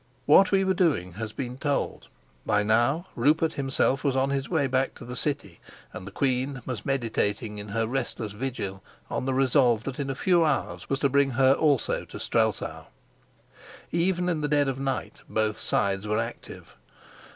What we were doing has been told; by now Rupert himself was on his way back to the city, and the queen was meditating, in her restless vigil, on the resolve that in a few hours was to bring her also to Strelsau. Even in the dead of night both sides were active.